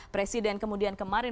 presiden kemudian kemarin